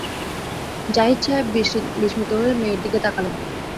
জাহিদ সাহেব বিস্মিত হয়ে মেয়ের দিকে তাকালেন।